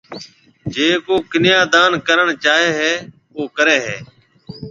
جيَ ڪو ڪنيا دان ڪرڻ چاھيََََ ھيََََ او ڪرَي ھيََََ